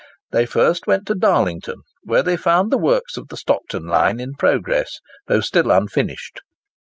They first went to Darlington, where they found the works of the Stockton line in progress, though still unfinished.